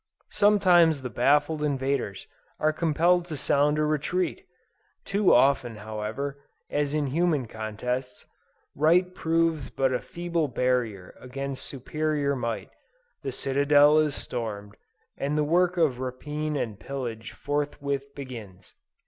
Sometimes the baffled invaders are compelled to sound a retreat; too often however, as in human contests, right proves but a feeble barrier against superior might; the citadel is stormed, and the work of rapine and pillage forthwith begins.